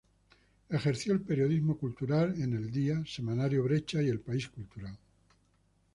Ejerció el periodismo cultural en El Día, Semanario Brecha y El País Cultural.